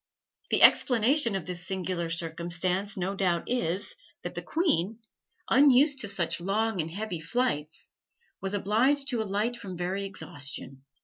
The explanation of this singular circumstance no doubt is, that the queen, unused to such long and heavy flights, was obliged to alight from very exhaustion.